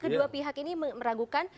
kedua pihak ini meragukan